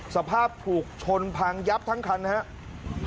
สภาพถูกชนพังยับทั้งคันนะครับ